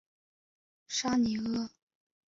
沙尼阿。